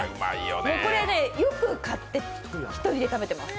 これよく買って、１人で食べてます。